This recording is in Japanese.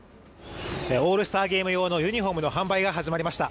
オールスターゲーム用のユニフォームの販売が始まりました。